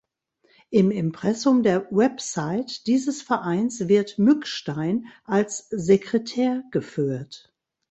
Im Impressum der Website dieses Vereins wird Mückstein als "Sekretär" geführt.